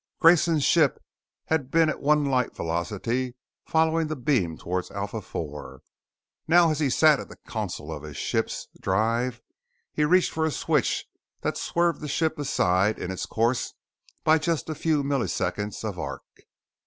Grayson's ship had been at One Light velocity, following the Beam towards Alpha IV. Now as he sat at the console of his ship's drive, he reached for a switch that swerved the ship aside in its course by just a few milliseconds of arc.